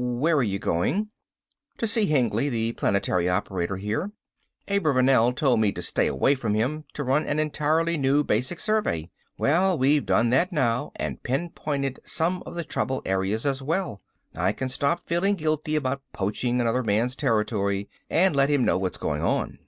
"Where are you going?" "To see Hengly, the planetary operator here. Abravanel told me to stay away from him, to run an entirely new basic survey. Well we've done that now, and pinpointed some of the trouble areas as well. I can stop feeling guilty about poaching another man's territory and let him know what's going on."